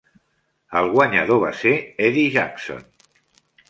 El guanyador va ser Eddie Jackson.